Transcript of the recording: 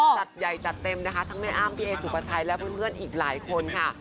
จัดใหญ่จัดเต็มนะคะทั้งแม่อ้ำพี่เอสุปชัยและเพื่อนอีกหลายคนค่ะ